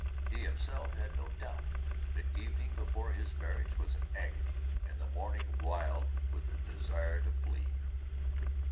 He himself had no doubt. The evening before his marriage was an agony, and the morning wild with the desire to flee.